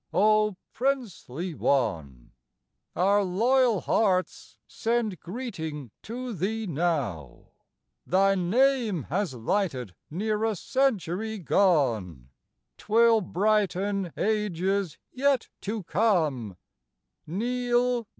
O princely one! Our loyal hearts send greeting to thee now; Thy name has lighted near a century gone, 'Twill brighten ages yet to come, Neal Dow.